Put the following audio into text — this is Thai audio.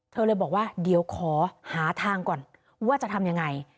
เธอเลยบอกว่าเดี๋ยวขอหาทางก่อนว่าจะทำยังไง